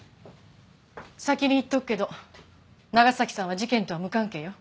先に言っておくけど長崎さんは事件とは無関係よ。